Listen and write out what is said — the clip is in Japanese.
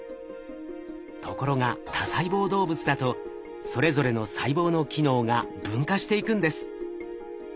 ところが多細胞動物だとそれぞれの細胞の機能が分化していくんです。